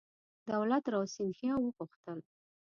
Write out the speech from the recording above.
دولت راو سیندهیا وغوښتل.